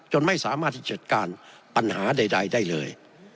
ไม่สามารถที่จัดการปัญหาใดได้เลย